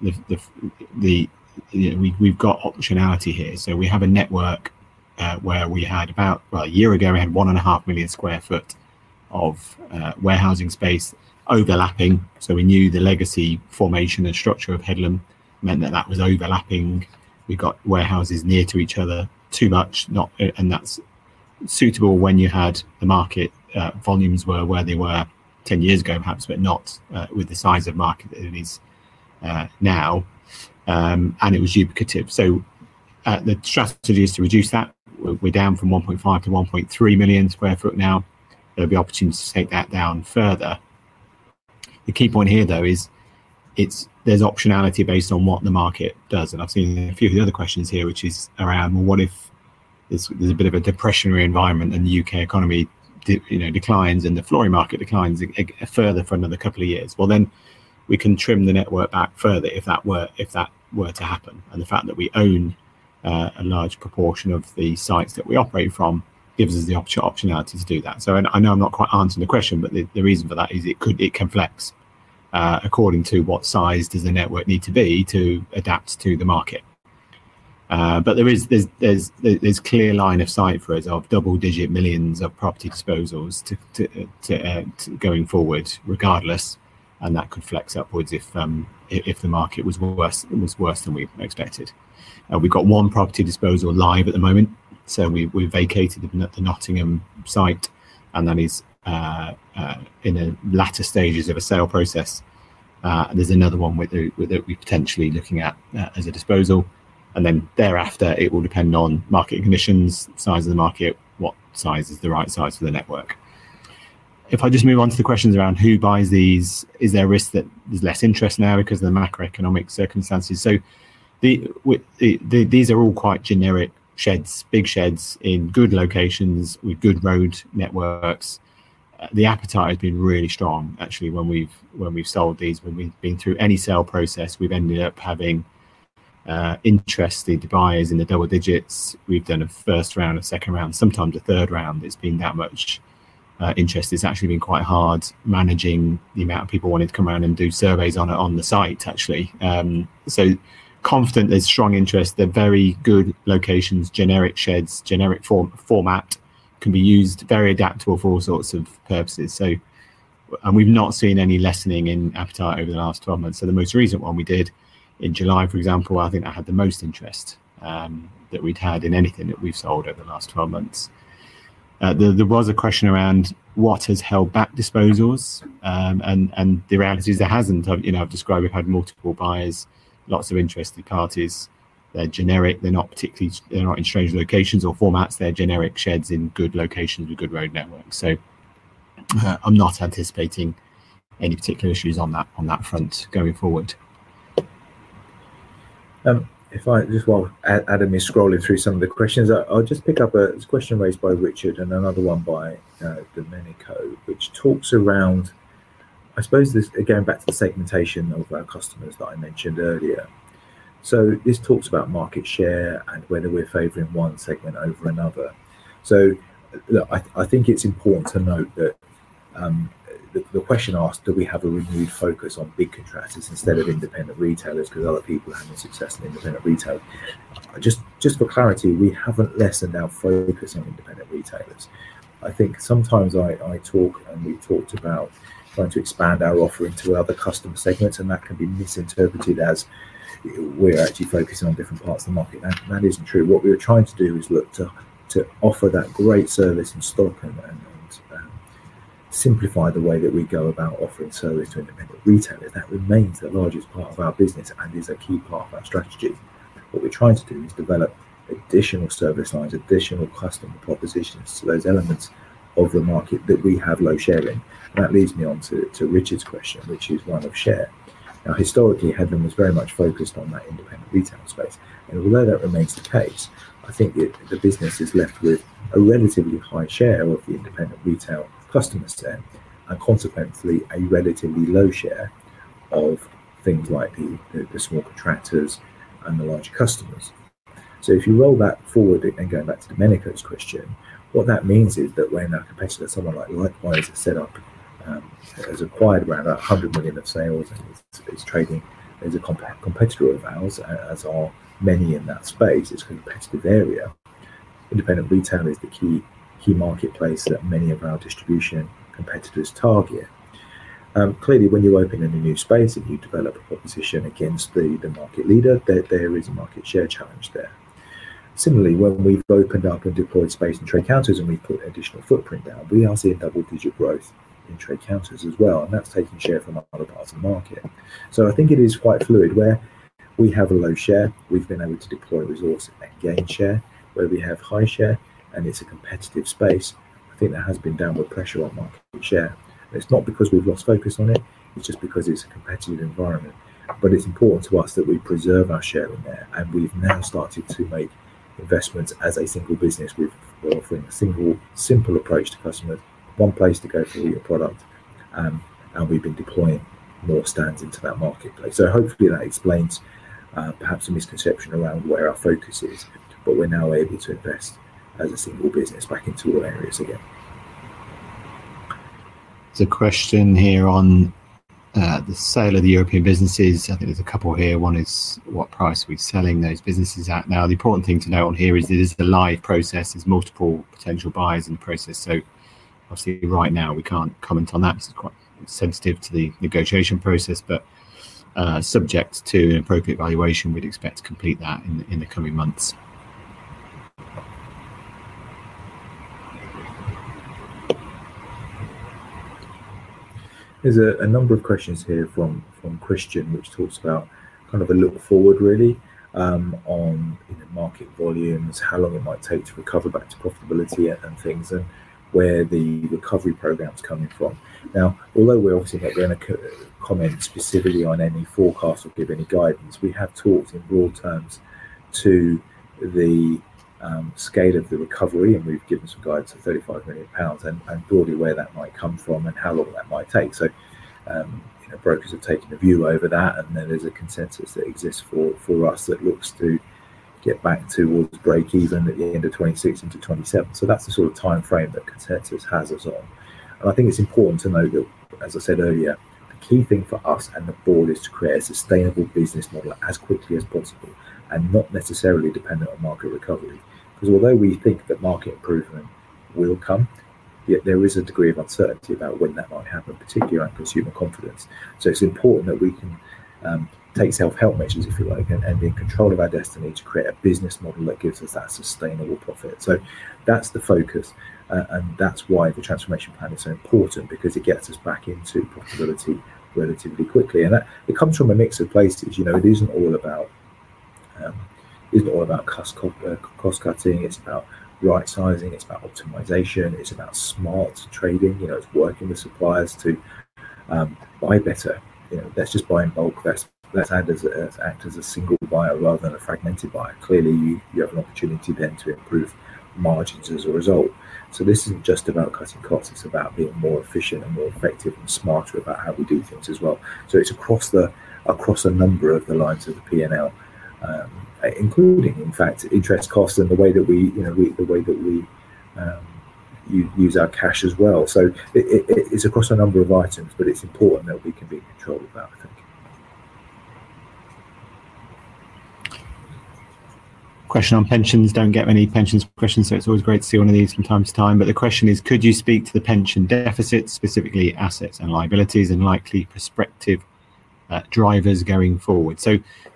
Speaker 3: we've got optionality here. We have a network where we had about, a year ago, we had 1.5 million square foot of warehousing space overlapping. We knew the legacy formation and structure of Headlam Group PLC meant that that was overlapping. We've got warehouses near to each other too much, and that's suitable when you had the market volumes where they were 10 years ago, perhaps, but not with the size of market that it is now. It was duplicative. The strategy is to reduce that. We're down from 1.5 to 1.3 million square foot now. There'll be opportunities to take that down further. The key point here, though, is there's optionality based on what the market does. I've seen a few of the other questions here, which is around, what if there's a bit of a depressionary environment and the UK economy declines and the flooring market declines further for another couple of years? We can trim the network back further if that were to happen. The fact that we own a large proportion of the sites that we operate from gives us the optionality to do that. I know I'm not quite answering the question, but the reason for that is it can flex according to what size does the network need to be to adapt to the market. There's a clear line of sight for us of double-digit millions of property disposals going forward regardless, and that could flex upwards if the market was worse than we expected. We've got one property disposal live at the moment. We vacated the Nottingham site, and that is in the latter stages of a sale process. There's another one that we're potentially looking at as a disposal. Thereafter, it will depend on market conditions, size of the market, what size is the right size for the network. If I just move on to the questions around who buys these, is there a risk that there's less interest now because of the macroeconomic circumstances? These are all quite generic sheds, big sheds in good locations with good road networks. The appetite has been really strong, actually, when we've sold these. When we've been through any sale process, we've ended up having interested buyers in the double digits. We've done a first round, a second round, sometimes a third round. It's been that much interest. It's actually been quite hard managing the amount of people wanting to come around and do surveys on the site, actually. I'm confident there's strong interest. They're very good locations, generic sheds, generic format, can be used, very adaptable for all sorts of purposes. We've not seen any lessening in appetite over the last 12 months. The most recent one we did in July, for example, I think that had the most interest that we'd had in anything that we've sold over the last 12 months. There was a question around what has held back disposals, and the reality is there hasn't. I've described we've had multiple buyers, lots of interested parties. They're generic. They're not particularly, they're not in strange locations or formats. They're generic sheds in good locations with good road networks. I'm not anticipating any particular issues on that front going forward.
Speaker 2: If I just want to add, Adam is scrolling through some of the questions. I'll just pick up a question raised by Richard and another one by Domenico, which talks around, I suppose, this going back to the segmentation of our customers that I mentioned earlier. This talks about market share and whether we're favoring one segment over another. I think it's important to note that the question asked, do we have a renewed focus on big contractors instead of independent retailers because other people are having success in independent retail? Just for clarity, we haven't lessened our focus on independent retailers. I think sometimes I talk and we've talked about trying to expand our offering to other customer segments, and that can be misinterpreted as we're actually focusing on different parts of the market. That isn't true. What we're trying to do is look to offer that great service and stock and simplify the way that we go about offering service to independent retailers. That remains the largest part of our business and is a key part of our strategy. What we're trying to do is develop additional service lines, additional customer propositions, to those elements of the market that we have low share in. That leads me on to Richard's question, which is one of share. Now, historically, Headlam Group PLC was very much focused on that independent retail space. Although that remains the case, I think the business is left with a relatively high share of the independent retail customers to them, and consequently, a relatively low share of things like the small contractors and the larger customers. If you roll that forward and go back to Domenico's question, what that means is that when our competitor, someone like Likewise, is set up, has acquired around £100 million of sales and is trading, there's a competitor of ours, as are many in that space. It's a competitive area. Independent retail is the key marketplace that many of our distribution competitors target. Clearly, when you open in a new space and you develop a proposition against the market leader, there is a market share challenge there. Similarly, when we've opened up and deployed space in trade counters and we've put additional footprint down, we are seeing double-digit growth in trade counters as well, and that's taking share from other parts of the market. I think it is quite fluid where we have a low share, we've been able to deploy resources and gain share. Where we have high share and it's a competitive space, I think there has been downward pressure on market share. It's not because we've lost focus on it, it's just because it's a competitive environment. It's important to us that we preserve our share in there. We've now started to make investments as a single business group. We're offering a simple, simple approach to customers, one place to go to see your product, and we've been deploying more stands into that marketplace. Hopefully that explains perhaps a misconception around where our focus is, but we're now able to invest as a single business back into all areas again.
Speaker 3: There's a question here on the sale of the European businesses. I think there's a couple here. One is what price are we selling those businesses at now? The important thing to know on here is that this is a live process. There are multiple potential buyers in the process. Obviously, right now we can't comment on that because it's quite sensitive to the negotiation process, but subject to an appropriate valuation, we'd expect to complete that in the coming months.
Speaker 2: are a number of questions here from Christian, which talk about kind of a look forward really on market volumes, how long it might take to recover back to profitability and things, and where the recovery program's coming from. Now, although we're obviously not going to comment specifically on any forecast or give any guidance, we have talked in broad terms to the scale of the recovery, and we've given some guidance at £35 million and broadly where that might come from and how long that might take. Brokers have taken a view over that, and then there's a consensus that exists for us that looks to get back towards break-even at the end of 2026 into 2027. That's the sort of timeframe that consensus has us on. I think it's important to note that, as I said earlier, the key thing for us and the Board is to create a sustainable business model as quickly as possible and not necessarily dependent on market recovery. Although we think that market improvement will come, there is a degree of uncertainty about when that might happen, particularly around consumer confidence. It's important that we can take self-help measures, if you like, and be in control of our destiny to create a business model that gives us that sustainable profit. That's the focus, and that's why the transformation plan is so important because it gets us back into profitability relatively quickly. It comes from a mix of places. It isn't all about cost cutting. It's about right-sizing. It's about optimization. It's about smart trading. It's working with suppliers to buy better. Let's just buy in bulk. Let's act as a single buyer rather than a fragmented buyer. Clearly, you have an opportunity then to improve margins as a result. This isn't just about cutting costs. It's about being more efficient and more effective and smart about how we do things as well. It's across a number of the lines of the P&L, including in fact interest costs and the way that we use our cash as well. It's across a number of items, but it's important that we can be in control of that, I think.
Speaker 3: Question on pensions. Don't get many pensions questions, so it's always great to see one of these from time to time. The question is, could you speak to the pension deficits, specifically assets and liabilities, and likely prospective drivers going forward?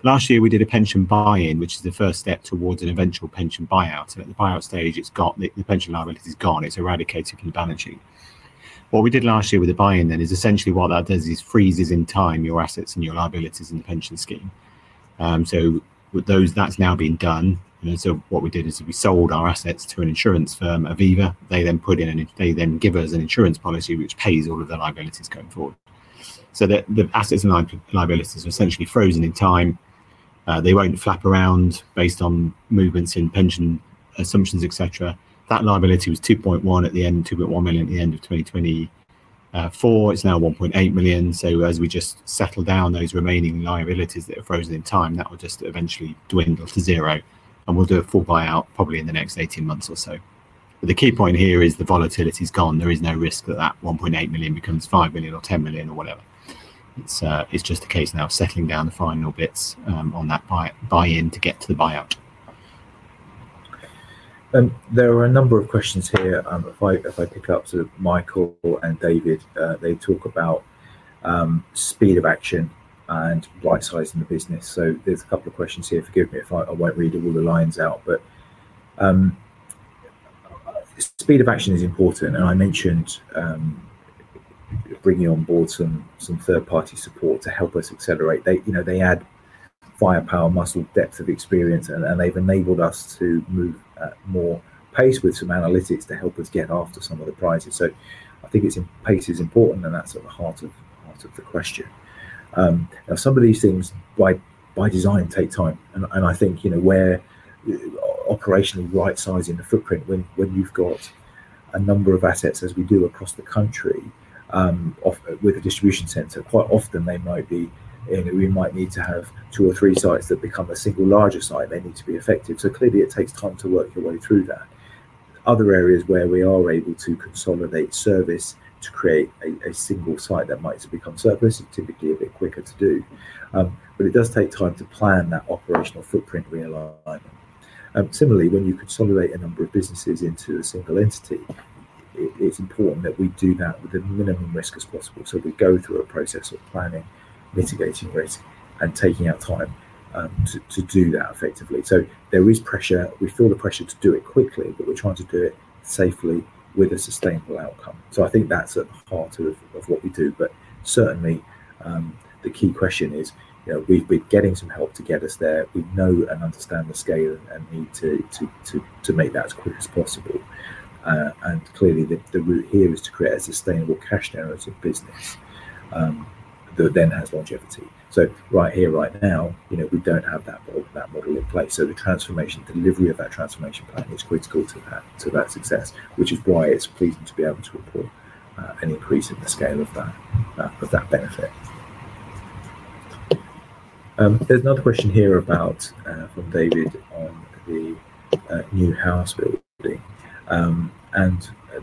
Speaker 3: Last year we did a pension buy-in, which is the first step towards an eventual pension buyout. At the buyout stage, it's gone. The pension liability is gone. It's eradicated in the balance sheet. What we did last year with the buy-in is essentially what that does is freeze in time your assets and your liabilities in the pension scheme. With those, that's now been done. What we did is we sold our assets to an insurance firm, Aviva. They then give us an insurance policy which pays all of the liabilities going forward, so that the assets and liabilities are essentially frozen in time. They won't flap around based on movements in pension assumptions, etc. That liability was £2.1 million at the end of 2024. It's now £1.8 million. As we just settle down those remaining liabilities that are frozen in time, that will just eventually dwindle to zero. We'll do a full buyout probably in the next 18 months or so. The key point here is the volatility is gone. There is no risk that that £1.8 million becomes £5 million or £10 million or whatever. It's just a case now of settling down the final bits on that buy-in to get to the buyout.
Speaker 2: There are a number of questions here. If I pick up sort of Michael and David, they talk about speed of action and right-sizing the business. There are a couple of questions here. Forgive me if I won't read all the lines out, but speed of action is important. I mentioned bringing on board some third-party support to help us accelerate. They add firepower, muscle, depth of experience, and they've enabled us to move at more pace with some analytics to help us get after some of the prizes. I think pace is important, and that's at the heart of the question. Some of these things by design take time. I think, you know, where operationally right-sizing the footprint, when you've got a number of assets, as we do across the country, with a distribution center, quite often we might need to have two or three sites that become a single larger site. They need to be effective. Clearly, it takes time to work the way through that. Other areas where we are able to consolidate service to create a single site that might become surplus, it's typically a bit quicker to do. It does take time to plan that operational footprint realignment. Similarly, when you consolidate a number of businesses into a single entity, it's important that we do that with the minimum risk as possible. We go through a process of planning, mitigating risk, and taking out time to do that effectively. There is pressure. We feel the pressure to do it quickly, but we're trying to do it safely with a sustainable outcome. I think that's at the heart of what we do. Certainly, the key question is, you know, we've been getting some help to get us there. We know and understand the scale and need to make that as quick as possible. Clearly, the root here is to create a sustainable cash challenge of business that then has longevity. Right here, right now, you know, we don't have that model in place. The transformation, the delivery of that transformation plan is critical to that success, which is why it's pleasing to be able to report an increase in the scale of that benefit. There's another question here from David on the new house.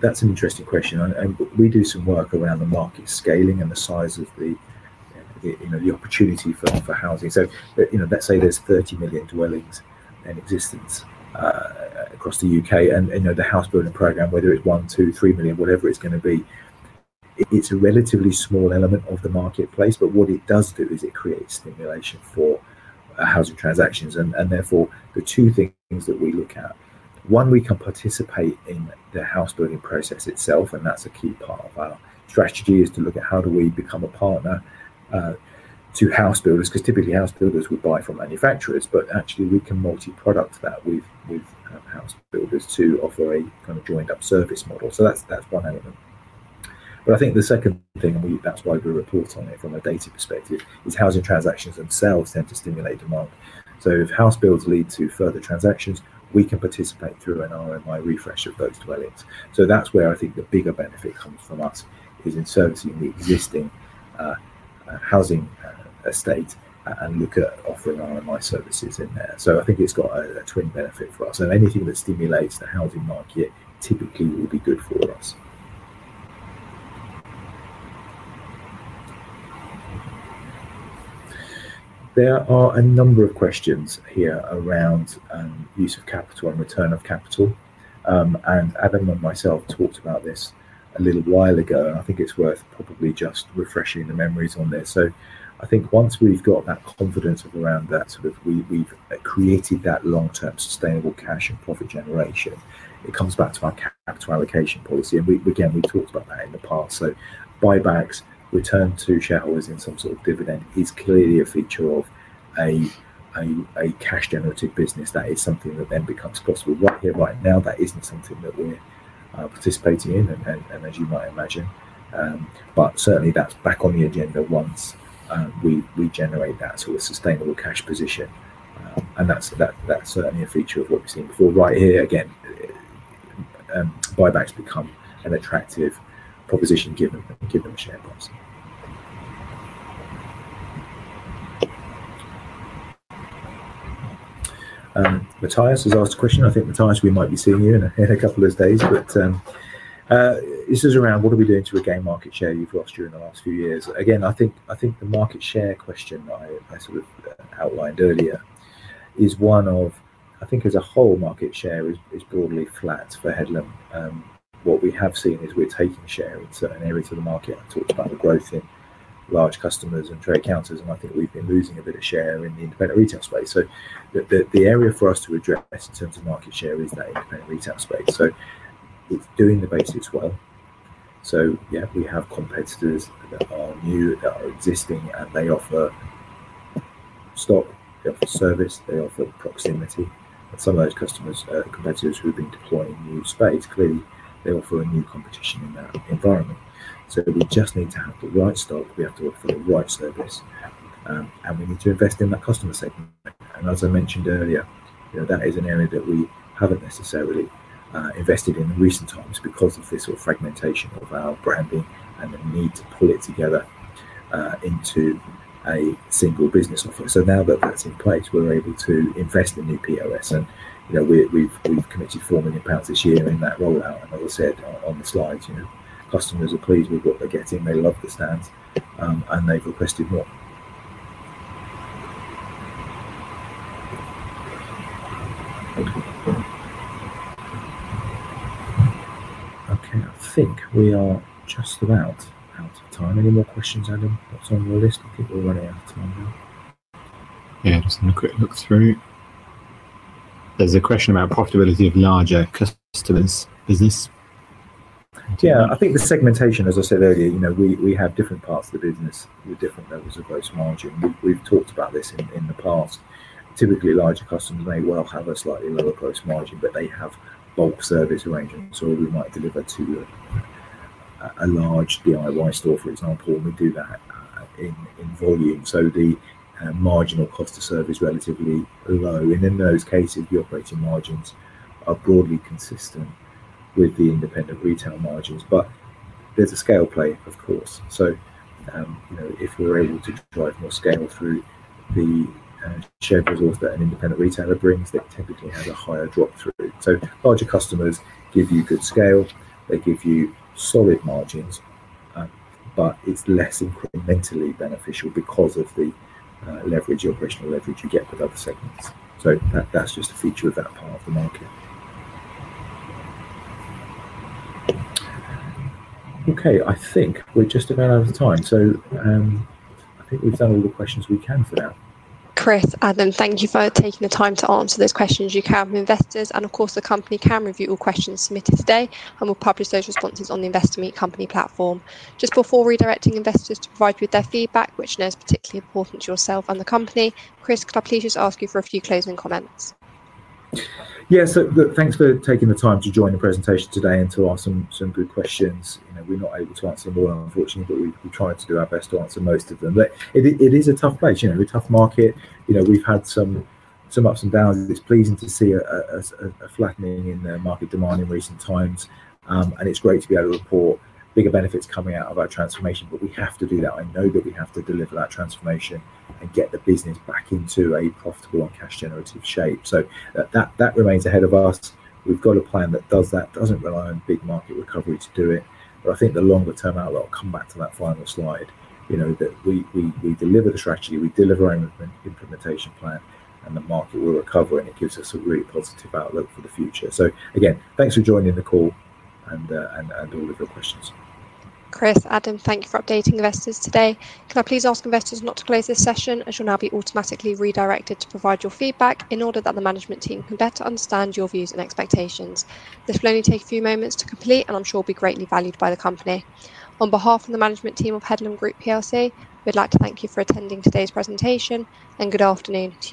Speaker 2: That's an interesting question. We do some work around the market scaling and the size of the, you know, the opportunity for housing. Let's say there's 30 million dwellings in existence across the UK. The house-building program, whether it's one, two, three million, whatever it's going to be, is a relatively small element of the marketplace. What it does do is it creates stimulation for housing transactions. The two things that we look at: one, we can participate in the house-building process itself. A key part of our strategy is to look at how do we become a partner to house builders because typically house builders would buy from manufacturers. Actually, we can multi-product that with house builders to offer a kind of joined-up service model. That's one element. I think the second thing, and that's why we report on it from a data perspective, is housing transactions themselves tend to stimulate demand. If house builds lead to further transactions, we can participate through an RMI refresh of those dwellings. That's where I think the bigger benefit comes for us, in servicing the existing housing estate and looking at offering RMI services in there. I think it's got a twin benefit for us. Anything that stimulates the housing market typically will be good for us. There are a number of questions here around use of capital and return of capital. Adam and myself talked about this a little while ago, and I think it's worth probably just refreshing the memories on this. Once we've got that confidence around that sort of we've created that long-term sustainable cash and profit generation, it comes back to our capital allocation policy. We've talked about that in the past. Buybacks, return to shareholders in some sort of dividend is clearly a feature of a cash-generative business. That is something that then becomes costable. Right here, right now, that isn't something that we're participating in, as you might imagine. Certainly, that's back on the agenda once we generate that sort of sustainable cash position. That's certainly a feature of what we've seen before. Right here, again, buybacks become an attractive proposition given the share pricing. Matthias has asked a question. I think, Matthias, we might be seeing you in a couple of days, but this is around what are we doing to regain market share you've lost during the last few years? Again, I think the market share question that I sort of outlined earlier is one of, I think as a whole, market share is broadly flat for Headlam. What we have seen is we're taking share in certain areas of the market. I talked about the growth in large customers and trade counters, and I think we've been losing a bit of share in the independent retail space. The area for us to address in terms of market share is that independent retail space. It's doing the basics well. We have competitors that are new, that are existing, and they offer stock, they offer service, they offer proximity. Some of those competitors have been deploying new space. Clearly, they offer a new competition in that environment. We just need to have the right stock, we have to offer the right service, and we need to invest in that customer segment. As I mentioned earlier, that is an area that we haven't necessarily invested in in recent times because of this sort of fragmentation of our branding and the need to pull it together into a single business offer. Now that that's in place, we're able to invest in new POS, and we've committed £4 million this year in that rollout. As I said on the slides, customers are pleased with what they're getting. They love the stands, and they've requested more. Okay, I think we are just about out of time. Any more questions, Adam, that's on the list? I think we're running out of time now.
Speaker 3: Yeah. Just a quick look through. There's a question about profitability of larger customers. Is this?
Speaker 2: Yeah. I think the segmentation, as I said earlier, you know, we have different parts of the business with different levels of gross margin. We've talked about this in the past. Typically, larger customers may well have a slightly lower gross margin, but they have bulk service arrangements, or we might deliver to a large DIY store, for example, and we do that in volume. The marginal cost of service is relatively low. In those cases, the operating margins are broadly consistent with the independent retail margins. There's a scale play, of course. If we're able to drive more scale through the shared resource that an independent retailer brings, that technically has a higher drop-through. Larger customers give you good scale. They give you solid margins, but it's less incrementally beneficial because of the leverage, operational leverage you get with other segments. That's just a feature of that part of the market. Okay, I think we're just about out of time. I think we've done all the questions we can for now.
Speaker 1: Chris, Adam, thank you for taking the time to answer those questions you can have investors. Of course, the company can review all questions submitted today, and we'll publish those responses on the Investor Meet Company platform. Just before redirecting investors to provide you with their feedback, which I know is particularly important to yourself and the company, Chris, could I please just ask you for a few closing comments?
Speaker 2: Yeah, so look, thanks for taking the time to join the presentation today and to ask some good questions. We're not able to answer them all, unfortunately, but we try to do our best to answer most of them. It is a tough place. We're a tough market. We've had some ups and downs. It's pleasing to see a flattening in the market demand in recent times. It's great to be able to report bigger benefits coming out of our transformation, but we have to do that. I know that we have to deliver that transformation and get the business back into a profitable and cash-generative shape. That remains ahead of us. We've got a plan that does that, doesn't rely on big market recovery to do it. I think the longer-term outlook, come back to that final slide, we deliver the strategy, we deliver an implementation plan, and the market will recover, and it gives us a really positive outlook for the future. Again, thanks for joining the call and all of your questions.
Speaker 1: Chris, Adam, thank you for updating investors today. Can I please ask investors not to close this session as you'll now be automatically redirected to provide your feedback in order that the management team can better understand your views and expectations. This will only take a few moments to complete, and I'm sure it'll be greatly valued by the company. On behalf of the management team of Headlam Group PLC, we'd like to thank you for attending today's presentation and good afternoon to you.